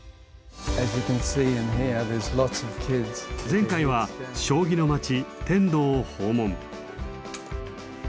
前回は将棋の町天童を訪問。